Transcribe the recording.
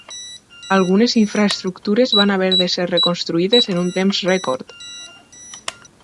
Algunes infraestructures van haver de ser reconstruïdes en un temps rècord.